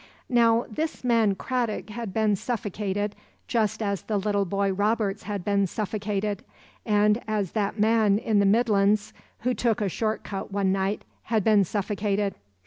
Now this man Cradock had been suffocated just as the little boy Roberts had been suffocated, and as that man in the Midlands who took a short cut one night had been suffocated.